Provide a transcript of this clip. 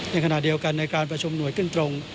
ในขณะเดียวกันในการประชุมหน่วยขึ้นตรง